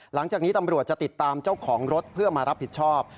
หลังจากนี้ตำรวจจะติดตามเจ้าของรถเพื่อมารับผิดชอบ